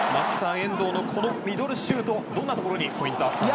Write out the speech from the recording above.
遠藤のこのミドルシュートどんなところにポイントが。